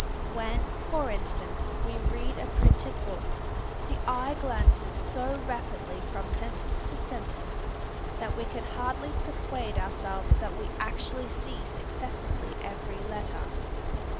When, for instance, we read a printed book, the eye glances so rapidly from sentence to sentence, that we can hardly persuade ourselves that we actually see successively every letter.